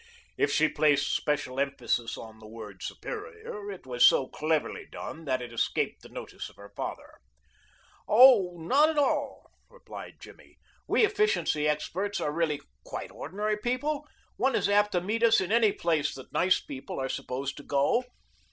If she placed special emphasis on the word "superior" it was so cleverly done that it escaped the notice of her father. "Oh, not at all," replied Jimmy. "We efficiency experts are really quite ordinary people. One is apt to meet us in any place that nice people are supposed to go."